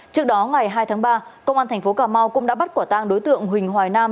trước đó ngày hai tháng ba công an tp cà mau cũng đã bắt quả tang đối tượng huỳnh hoài nam